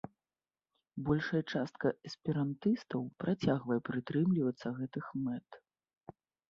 Большая частка эсперантыстаў працягвае прытрымлівацца гэтых мэт.